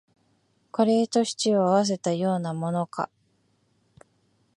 カレーとシチューを合わせたようなものか